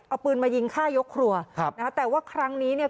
เอาปืนมายิงฆ่ายกครัวครับนะฮะแต่ว่าครั้งนี้เนี่ย